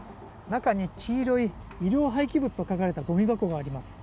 中に黄色い医療廃棄物と書かれたごみ袋があります。